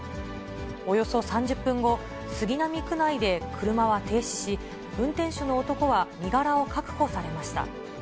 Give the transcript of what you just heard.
およそ３０分後、杉並区内で車は停止し、運転手の男は身柄を確保されました。